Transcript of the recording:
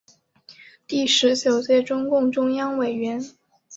第十九届中共中央委员。